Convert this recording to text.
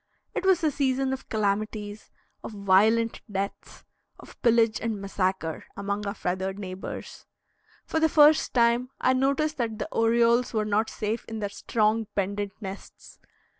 It was a season of calamities, of violent deaths, of pillage and massacre, among our feathered neighbors. For the first time I noticed that the orioles were not safe in their strong, pendent nests.